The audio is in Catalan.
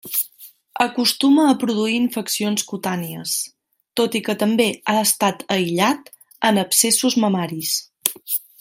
Acostuma a produir infeccions cutànies, tot i que també ha estat aïllat en abscessos mamaris.